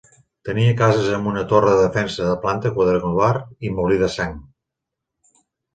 Tenia cases amb una torre de defensa de planta quadrangular i molí de sang.